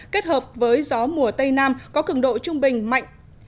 kết hợp với gió mùa tây nam có cường độ trung bình mạnh